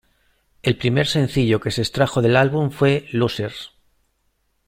El primer sencillo que se extrajo del álbum fue "Losers".